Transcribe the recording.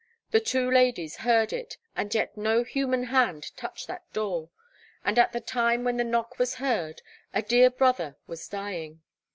The two ladies heard it, and yet no human hand touched that door, and at the time when the knock was heard a dear brother was dying.